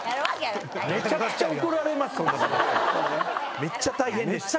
めっちゃ大変でした。